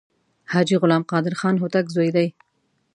حاجي غلام قادر خان هوتک زوی دی.